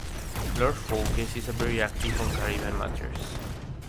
Lord Foulkes is very active on Caribbean matters.